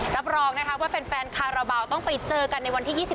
รับรองนะคะว่าแฟนคาราบาลต้องไปเจอกันในวันที่๒๓